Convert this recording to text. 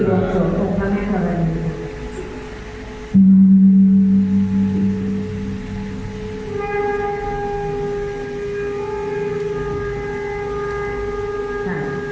คำถามเพราะบรรณาภักดิ์ครับ